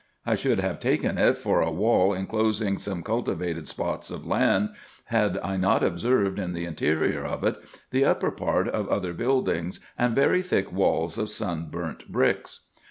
I should have taken it for a wall inclosing some cultivated spots of land, had I not observed in the interior of it the upper part of other buildings, and very thick 398 RESEARCHES AND OPERATIONS walls of sun burnt bricks.